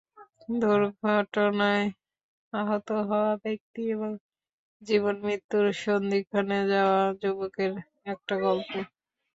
দুর্ঘটনায় আহত হওয়া ব্যক্তি এবং জীবন-মৃত্যুর সন্ধিক্ষণে যাওয়া যুবকের একটা গল্প।